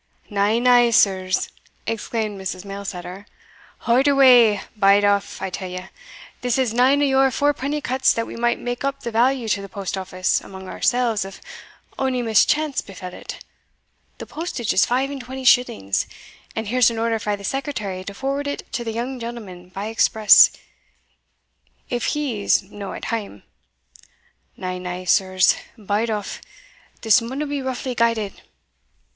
"Na, na, sirs," exclaimed Mrs. Mailsetter; "haud awa bide aff, I tell you; this is nane o' your fourpenny cuts that we might make up the value to the post office amang ourselves if ony mischance befell it; the postage is five and twenty shillings and here's an order frae the Secretary to forward it to the young gentleman by express, if he's no at hame. Na, na, sirs, bide aff; this maunna be roughly guided."